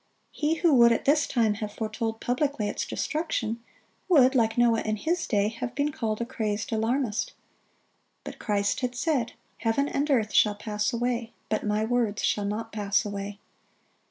He who would at this time have foretold publicly its destruction, would, like Noah in his day, have been called a crazed alarmist. But Christ had said, "Heaven and earth shall pass away, but My words shall not pass away."